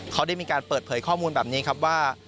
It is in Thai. เขาได้มีการเปิดเผยข้อมูลแบบนี้ครับว่า